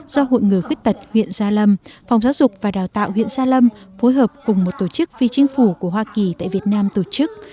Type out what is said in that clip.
do hội người khuyết tật huyện gia lâm phòng giáo dục và đào tạo huyện gia lâm phối hợp cùng một tổ chức phi chính phủ của hoa kỳ tại việt nam tổ chức